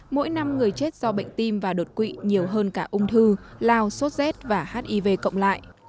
mỗi năm người chết do bệnh tim và đột quỵ nhiều hơn cả ung thư lao sốt z và hiv cộng lại